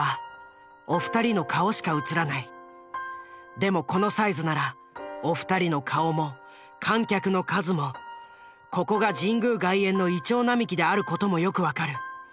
でもこのサイズならお二人の顔も観客の数もここが神宮外苑の銀杏並木である事もよく分かる。